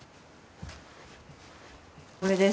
これです。